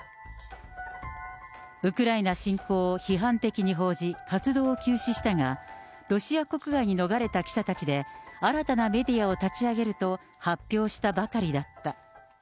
ウクライナ侵攻を批判的に報じ、活動を休止したが、ロシア国外に逃れた記者たちで新たなメディアを立ち上げると発表したばかりだった。